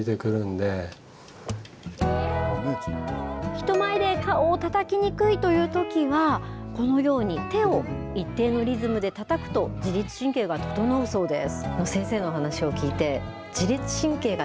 人前で顔をたたきにくいというときは、このように、手を一定のリズムでたたくと、自律神経が整うそうです。